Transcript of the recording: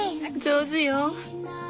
上手よ。